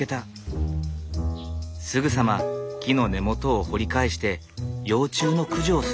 すぐさま木の根元を掘り返して幼虫の駆除をする。